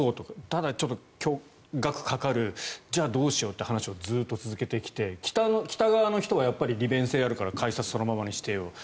ただ、ちょっと額がかかるじゃあどうしようという話をずっと続けてきて北側の人は利便性があるから改札はそのままにしてよと。